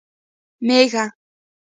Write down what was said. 🐑 مېږه